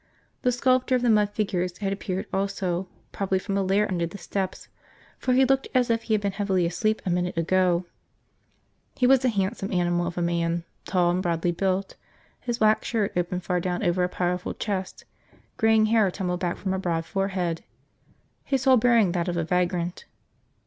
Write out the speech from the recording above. The sculptor of the mud figures had appeared also, probably from a lair under the steps for he looked as if he had been heavily asleep a minute ago. He was a handsome animal of a man, tall and broadly built, his black shirt open far down over a powerful chest, graying hair tumbled back from a broad forehead, his whole bearing that of a vagrant.